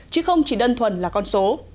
chứ không chỉ đơn thuần là con số